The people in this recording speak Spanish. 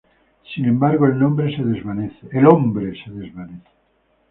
Sin embargo, el hombre se desvanece.